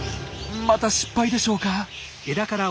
また失敗でしょうか。